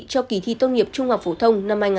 cho kỳ thi tốt nghiệp trung học phổ thông